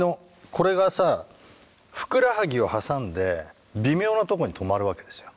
これがさふくらはぎを挟んで微妙なとこに留まるわけですよ。